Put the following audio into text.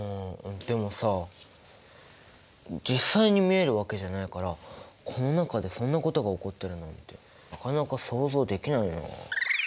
でもさ実際に見えるわけじゃないからこの中でそんなことが起こってるなんてなかなか想像できないな。